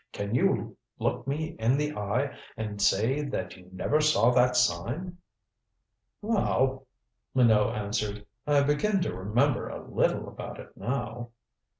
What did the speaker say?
Can you look me in the eye and say that you never saw that sign?" "Well," Minot answered, "I begin to remember a little about it now."